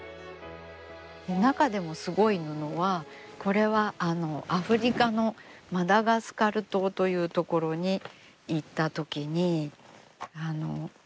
中でもすごい布はこれはアフリカのマダガスカル島という所に行ったときに。